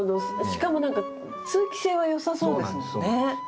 しかも何か通気性は良さそうですもんね。